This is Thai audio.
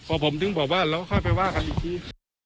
พอผมถึงบอกว่าเราค่อยไปว่ากันอีกที